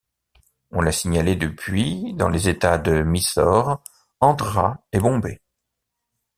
On l'a signalée depuis dans les États de Mysore, Andhra et Bombay.